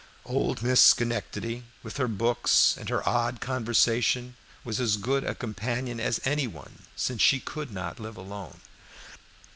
Old Miss Schenectady, with her books and her odd conversation, was as good a companion as any one, since she could not live alone.